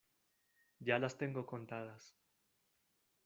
ya las tengo contadas.